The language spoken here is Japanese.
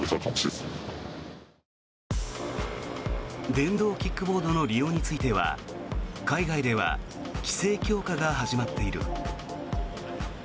電動キックボードの利用については海外では規制強化が始まっている。